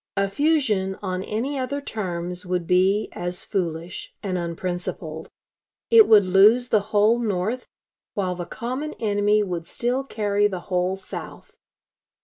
A fusion on any other terms would be as foolish and unprincipled. It would lose the whole North, while the common enemy would still carry the whole South.